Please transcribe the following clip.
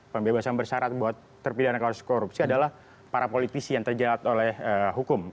pembebasan bersyarat buat terpilih anak lelaki korupsi adalah para politisi yang terjadat oleh hukum